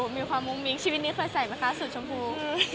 มีความมุ้งมิ้งชีวิตนี้เคยใส่ไหมคะสูตรชมพู